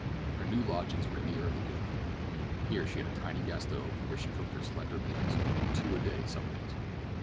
Her new lodgings were nearer the Loop. Here she had a tiny gas stove, where she cooked her slender meals—two a day, some days.